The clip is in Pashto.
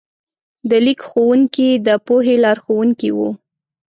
د لیک ښوونکي د پوهې لارښوونکي وو.